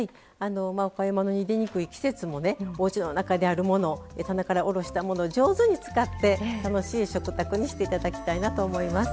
お買い物に出にくい季節でもおうちにあるもの棚から下ろしたものを上手に使って楽しい食卓にしていただきたいなと思います。